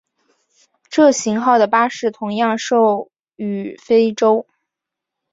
这型号的巴士同样售予非洲。